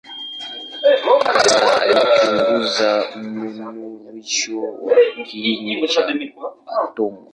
Hasa alichunguza mnururisho wa kiini cha atomu.